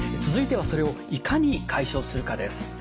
続いてはそれをいかに解消するかです。